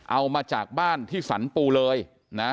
เอามาจากบ้านที่สรรปูเลยนะ